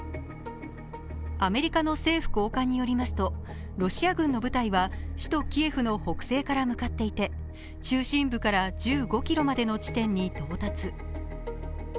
アメリカの政府高官によりますと、ロシア軍の部隊は首都キエフの北西から向かっていて中心部から１５ｋｍまでの地点に到達。